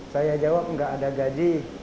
saya jawab nggak ada gaji